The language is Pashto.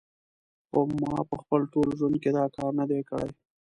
خو ما په خپل ټول ژوند کې دا کار نه دی کړی